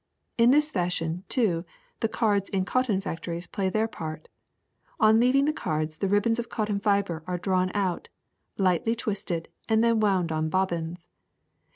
In this fashion, too, the cards in cotton factories play their part. On leaving the cards the ribbons of cotton fiber are drawn out, lightly twisted, and then wound on bobbins.